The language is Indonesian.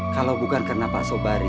kalau bukan karena pak sobari